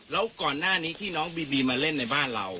แล้วก่อนหน้านี้ที่น้องบีบีมาเล่นในบ้านเรา